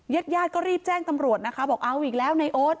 ญาติญาติก็รีบแจ้งตำรวจนะคะบอกเอาอีกแล้วในโอ๊ต